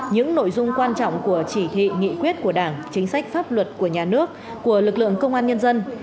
những nội dung quan trọng của chỉ thị nghị quyết của đảng chính sách pháp luật của nhà nước của lực lượng công an nhân dân